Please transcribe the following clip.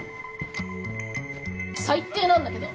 最低なんだけど。